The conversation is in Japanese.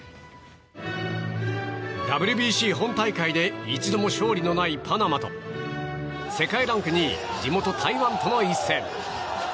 ＷＢＣ本大会で一度も勝利のないパナマと世界ランク２位地元・台湾との一戦。